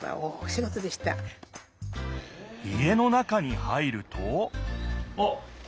家の中に入るとあっ！